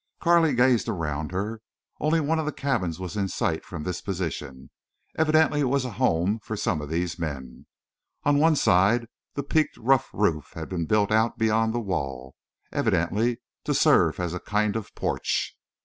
Carley gazed around her. Only one of the cabins was in sight from this position. Evidently it was a home for some of these men. On one side the peaked rough roof had been built out beyond the wall, evidently to serve as a kind of porch.